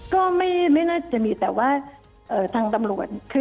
ก็ไม่น่าจะมีแต่ว่าทางตำรวจ